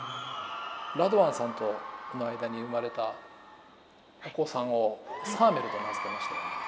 ラドワンさんとの間に生まれたお子さんをサーメルと名付けましたよね。